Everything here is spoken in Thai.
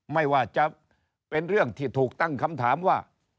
ไม่ว่าจะเป็นเรื่องที่ถูกตั้งคำถามว่า